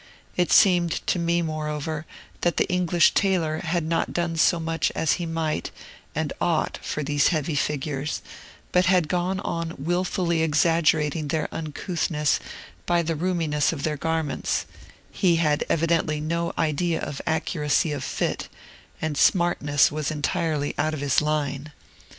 It seemed to me, moreover, that the English tailor had not done so much as he might and ought for these heavy figures, but had gone on wilfully exaggerating their uncouthness by the roominess of their garments; he had evidently no idea of accuracy of fit, and smartness was entirely out of his line.